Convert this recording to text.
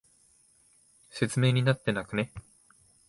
説明になってなくね？